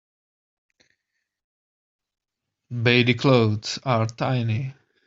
Bady clothes are tiny.